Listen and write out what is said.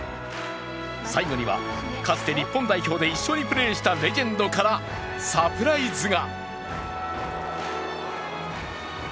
最後にはかつて日本代表で一緒にプレーしたレジェンドからサプライズが。